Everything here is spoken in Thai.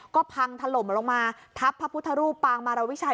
ก็พังถล่มลงมาทับพระพุทธรูปปางมารวิชัย